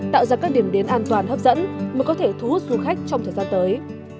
tạo ra các điểm đến an toàn hấp dẫn mà có thể thu hút du khách trong thời gian tới